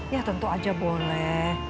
ya tentu aja boleh